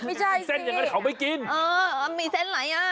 ไม่ใช่สิเออมีเส้นไหนอ่ะ